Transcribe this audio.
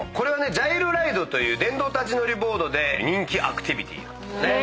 ジャイロライドという電動立ち乗りボードで人気アクティビティなんですね。